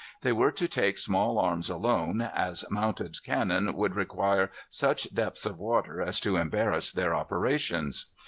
They were to take small arms alone, as mounted cannon would require such depths of water as to embarrass their operations.